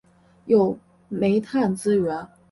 有煤炭资源。